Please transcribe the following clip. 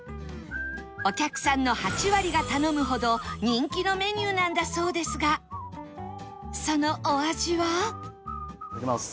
お客さんの８割が頼むほど人気のメニューなんだそうですがそのお味は？いきます。